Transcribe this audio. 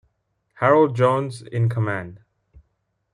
Harold Jones in command.